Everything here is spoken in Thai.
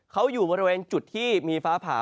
เขาอยู่บริเวณจุดที่มีฟ้าผ่า